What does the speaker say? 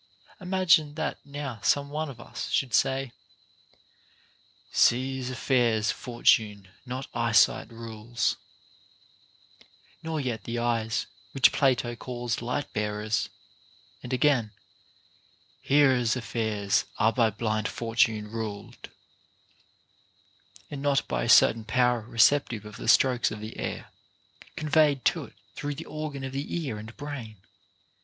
3. Imagine that now some one of us should say, Seers' affairs Fortune not eyesight rules, nor yet the eyes, which Plato calls light bearers ; and again, Hearers' affairs are by blind Fortune ruled, and not by a certain power receptive of the strokes of the air, conveyed to it through the organ of the ear and brain.